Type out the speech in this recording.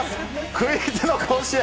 クイズの甲子園。